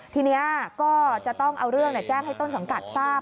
ทีนี้ก็จะต้องเอาเรื่องแจ้งให้ต้นสังกัดทราบ